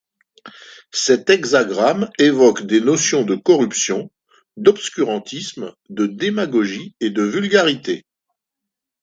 Cet hexagramme évoque des notions de corruption, d’obscurantisme, de démagogie et de vulgarité.